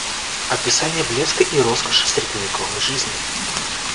Описание блеска и роскоши средневековой жизни